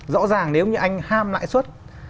rõ ràng nếu như anh ham lãi suất